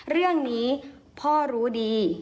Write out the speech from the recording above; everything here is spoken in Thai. เรื่องนี้พ่อรู้ดี